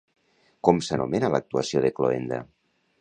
Com s'anomena l'actuació de cloenda?